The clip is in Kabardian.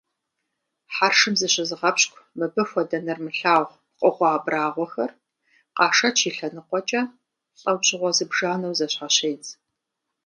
Хьэршым зыщызыгъэпщкIу мыбы хуэдэ нэрымылъагъу пкъыгъуэ абрагъуэхэр, къашэч и лъэныкъуэкIэ, лIэужьыгъуэ зыбжанэу зэщхьэщедз.